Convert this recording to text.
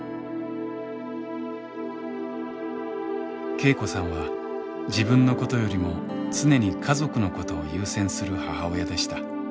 恵子さんは自分のことよりも常に家族のことを優先する母親でした。